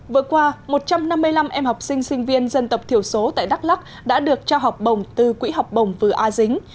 vừa qua một trăm năm mươi năm em học sinh sinh viên dân tộc thiểu số tại đắk lắc đã được trao học bổng từ quỹ học bổng vừa a dính